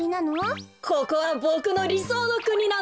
ここはボクのりそうのくになんだ。